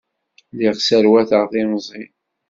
Lliɣ sserwateɣ timẓin.